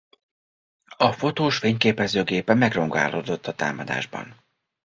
A fotós fényképezőgépe megrongálódott a támadásban.